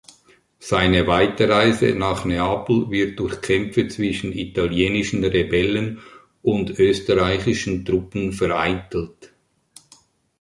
Seine Weiterreise nach Neapel wird durch Kämpfe zwischen italienischen Rebellen und österreichischen Truppen vereitelt.